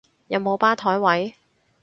有冇吧枱位？